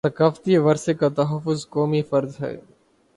ثقافتی ورثے کا تحفظ قومی فرض ہے